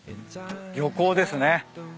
漁港ですね。